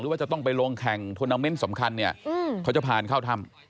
ว่าจะต้องไปลงแข่งทวนาเมนต์สำคัญเนี่ยเขาจะผ่านเข้าถ้ำ